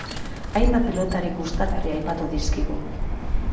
Hainbat pilotari gustagarri aipatu dizkigu.